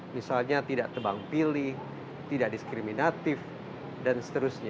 misalnya tidak tebang pilih tidak diskriminatif dan seterusnya